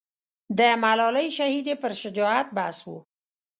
د ملالۍ شهیدې پر شجاعت بحث و.